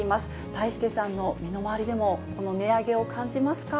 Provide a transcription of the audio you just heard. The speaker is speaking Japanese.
だいすけさんの身の回りでも、この値上げを感じますか。